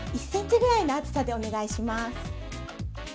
１ｃｍぐらいの厚さでお願いします。